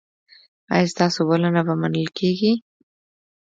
ایا ستاسو بلنه به منل کیږي؟